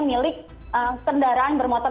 milik kendaraan bermotor